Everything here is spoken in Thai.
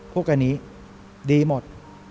พวกอันนี้ดีหมด